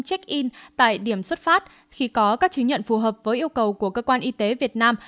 check in tại điểm xuất phát khi có các chứng nhận phù hợp với yêu cầu của cơ quan y tế việt nam